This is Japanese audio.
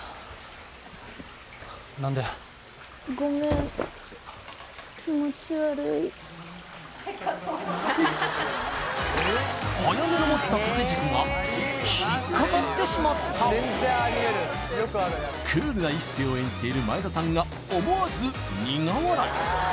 何だよごめん気持ち悪い早梅の持った掛け軸が引っかかってしまったクールな壱成を演じている眞栄田さんが思わず苦笑い